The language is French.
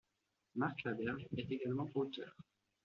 Marc Laberge est également auteur.